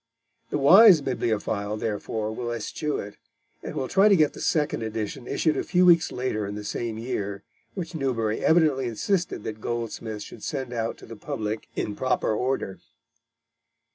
The wise bibliophile, therefore, will eschew it, and will try to get the second edition issued a few weeks later in the same year, which Newbery evidently insisted that Goldsmith should send out to the public in proper order.